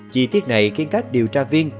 chỉ tiết này khiến các điều tra viên